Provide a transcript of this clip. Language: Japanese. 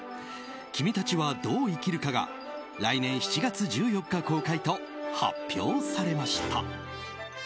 「君たちはどう生きるか」が来年７月１４日公開と発表されました。